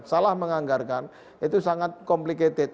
salah menganggarkan itu sangat complicated